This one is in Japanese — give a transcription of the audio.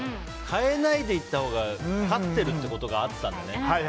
変えないでいったほうが勝っているということがあったので。